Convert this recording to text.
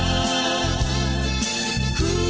oh ku kan pergi